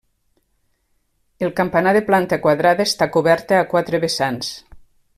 El campanar de planta quadrada està coberta a quatre vessants.